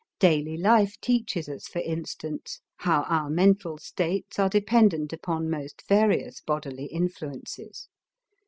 Daily life teaches us, for instance, how our mental states are dependent upon most various bodily influences.